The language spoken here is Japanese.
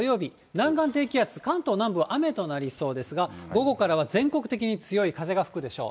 南岸低気圧、関東南部は雨となりそうですが、午後からは全国的に強い風が吹くでしょう。